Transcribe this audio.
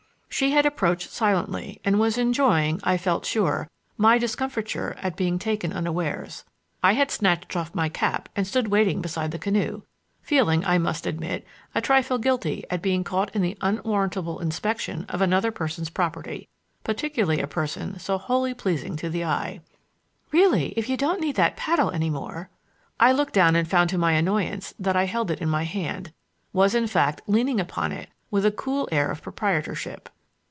She had approached silently and was enjoying, I felt sure, my discomfiture at being taken unawares. I had snatched off my cap and stood waiting beside the canoe, feeling, I must admit, a trifle guilty at being caught in the unwarrantable inspection of another person's property—particularly a person so wholly pleasing to the eye. "Really, if you don't need that paddle any more—" I looked down and found to my annoyance that I held it in my hand,—was in fact leaning upon it with a cool air of proprietorship.